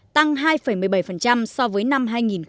tăng hai một mươi bảy so với năm hai nghìn một mươi bảy